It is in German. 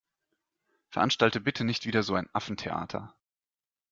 Veranstalte bitte nicht wieder so ein Affentheater.